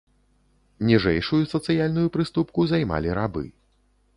Ніжэйшую сацыяльную прыступку займалі рабы.